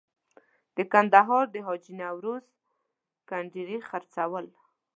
د کندهار د حاجي نوروز کنډیري خرڅول.